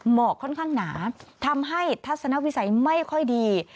หมอกค่อนข้างหนาทำให้ทัศนวิสัยไม่ค่อยดี